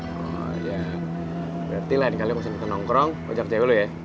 oh ya berarti lain kali gue kesini ke nongkrong ngobrol sama cewek lo ya